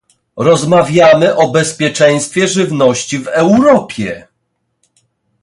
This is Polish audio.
Rozmawiamy o bezpieczeństwie żywności w Europie